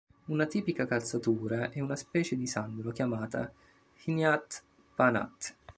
Una tipica calzatura è una specie di sandalo chiamata hnyat-phanat.